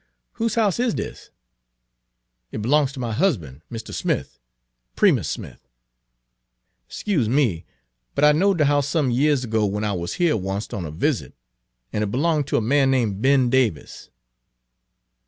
"Whose house is dis?" "It b'longs ter my husban', Mr. Smith Primus Smith." " 'Scuse me, but I knowed de house some years ago w'en I wuz here oncet on a visit, an' it b'longed ter a man name' Ben Davis."